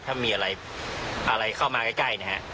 ถ้ามีอะไรเข้ามาใกล้นะฮะ